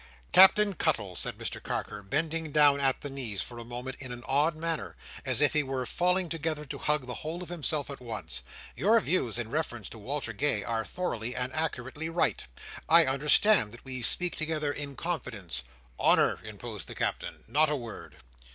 "Captain Cuttle," said Mr Carker, bending down at the knees, for a moment, in an odd manner, as if he were falling together to hug the whole of himself at once, "your views in reference to Walter Gay are thoroughly and accurately right. I understand that we speak together in confidence. "Honour!" interposed the Captain. "Not a word."